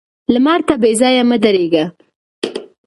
لمر ته بې ځايه مه درېږه